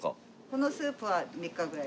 このスープは３日ぐらい。